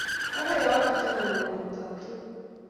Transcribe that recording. Agoi aalchi chamanenyu taptok